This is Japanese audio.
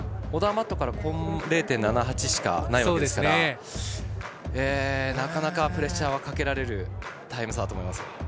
オダーマットから０．７８しかないわけですからなかなかプレッシャーかけられるタイム差だと思いますよ。